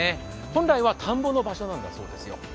本来は田んぼの場所なんだそうですよ。